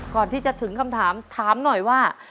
ก่อนที่จะถึงคำถามถามหน่อยว่า